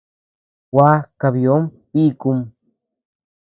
Gua kabiö bikum.